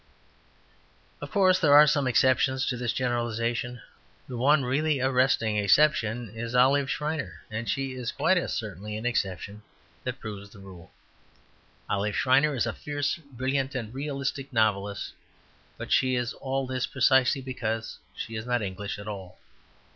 Of course there are some exceptions to this generalization. The one really arresting exception is Olive Schreiner, and she is quite as certainly an exception that proves the rule. Olive Schreiner is a fierce, brilliant, and realistic novelist; but she is all this precisely because she is not English at all.